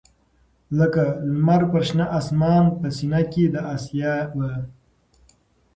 لکه لــــمــر پر شــــنه آســــمـــان په ســــینـه کـــي د آســــــــــیا به